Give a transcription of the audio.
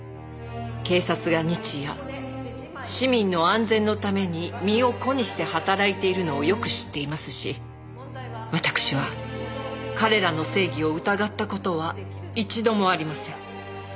「警察が日夜市民の安全のために身を粉にして働いているのをよく知っていますしわたくしは彼らの正義を疑った事は一度もありません」